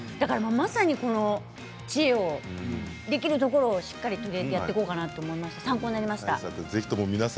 まさに、この知恵をできるところをしっかり取り入れてやっていこうかなと思いました。